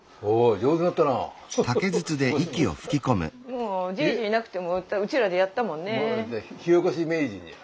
もうじぃじいなくてもうちらでやったもんね。